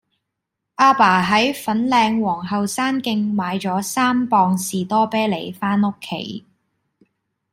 亞爸喺粉嶺皇后山徑買左三磅士多啤梨返屋企